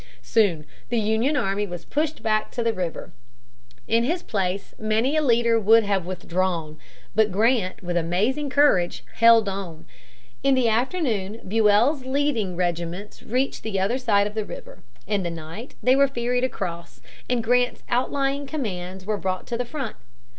Soon the Union army was pushed back to the river. In his place many a leader would have withdrawn. But Grant, with amazing courage, held on. In the afternoon Buell's leading regiments reached the other side of the river. In the night they were ferried across, and Grant's outlying commands were brought to the front.